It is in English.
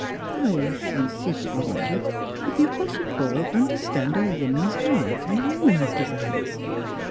How (she secretly wondered) could the Apostle Paul under stand a woman's heart and a woman's de sires?